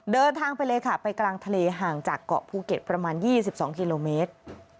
เดินทางไปเลยค่ะไปกลางทะเลห่างจากเกาะภูเก็ตประมาณ๒๒กิโลเมตร